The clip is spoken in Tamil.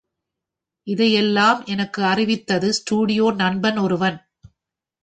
இதையெல்லம் எனக்கு அறிவித்தது ஸ்டுடியோ நண்பன் ஒருவன்.